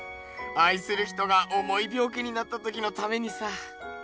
あいする人がおもいびょう気になったときのためにさ。